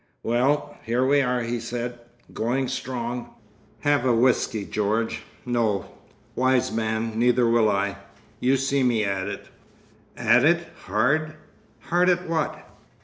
"Well, here we are!" he said. "Going strong! Have a whisky, George? No!—Wise man! Neither will I! You see me at it! At it—hard!" "Hard at what?"